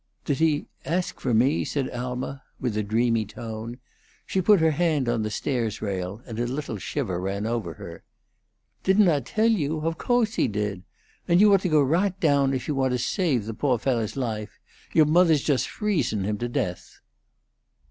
"Did he ask for me?" said Alma, with a dreamy tone. She put her hand on the stairs rail, and a little shiver ran over her. "Didn't I tell you? Of coase he did! And you ought to go raght down if you want to save the poo' fellah's lahfe; you' mothah's just freezin' him to death."